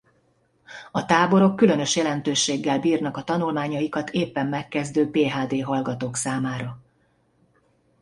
A táborok különös jelentőséggel bírnak a tanulmányaikat éppen megkezdő PhD hallgatók számára.